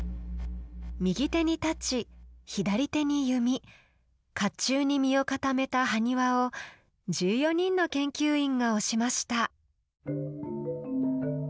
右手に大刀左手に弓甲冑に身を固めた埴輪を１４人の研究員が推しました。